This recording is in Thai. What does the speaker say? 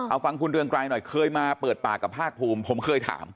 เอาฟังคุณเรืองไกรหน่อยเคยมาเปิดปากกับภาคภูมิผมเคยถาม